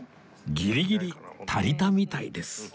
ギリギリ足りたみたいです